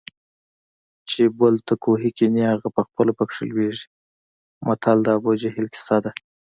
چې بل ته کوهي کني هغه پخپله پکې لویږي متل د ابوجهل کیسه ده